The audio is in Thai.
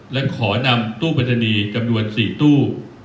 และขอนำตู้ปริศนีย์จำนวน๔ตู้